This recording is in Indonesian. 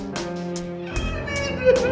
mas aku mau pergi